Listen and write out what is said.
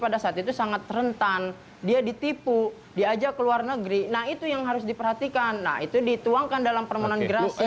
pada saat itu sangat rentan dia ditipu diajak ke luar negeri nah itu yang harus diperhatikan nah itu dituangkan dalam permohonan gerasi